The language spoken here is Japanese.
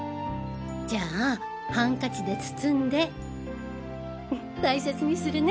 じゃあハンカチで包んで大切にするね。